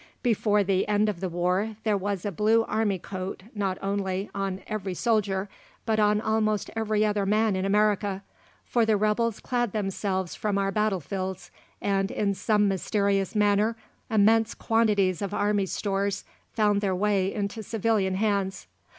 Before the end of the war, there was a blue army coat not only on every soldier, but on almost every other man in America, for the rebels clad themselves from our battle fields, and, in some mysterious manner, immense quantities of army stores found their way into civilian hands.